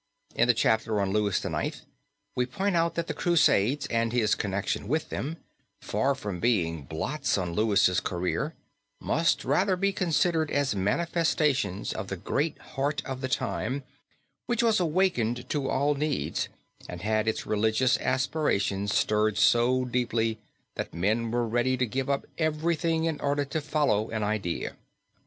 In the chapter on Louis IX. we point out that the Crusades, and his connection with them, far from being blots on Louis's career must rather be considered as manifestations of the great heart of the time which was awakening to all needs, and had its religious aspirations stirred so deeply that men were ready to give up everything in order to follow an idea.